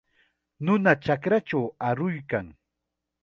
Nuna chakrachaw aruykan.